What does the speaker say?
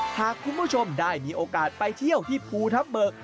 หากคุณผู้ชมได้มีโอกาสไปเที่ยวที่ภูทับเบิก